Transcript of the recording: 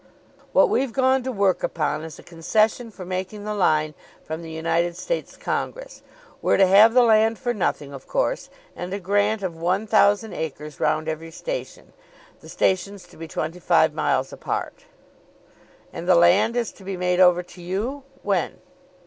"What we've gone to work upon is a concession for making the line from the United States Congress. We're to have the land for nothing, of course, and a grant of one thousand acres round every station, the stations to be twenty five miles apart." "And the land is to be made over to you, when?"